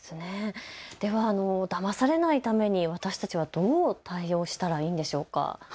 ではだまされないためには私たちはどう対応したらいいのでしょうか。